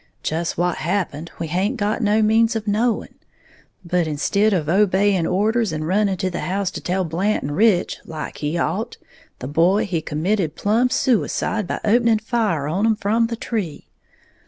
Just what happened, we haint got no means of knowing; but instid of obeying orders, and running to the house to tell Blant and Rich, like he ought, the boy he committed plumb suicide by opening fire on 'em from the tree.